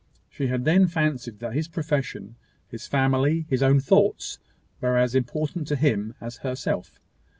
She had then fancied that his profession, his family, his own thoughts, were as important to him as herself.